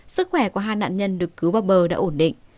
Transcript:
sức khỏe của hai nạn nhân được cứu vào bờ đã ổn định